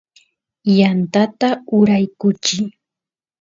yantata uraykuchiy